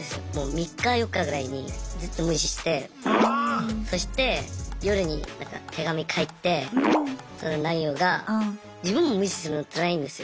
３日４日ぐらいにずっと無視してそして夜に手紙書いてその内容が「自分も無視するのつらいんですよ